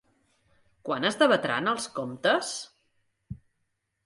Quan es debatran els comptes?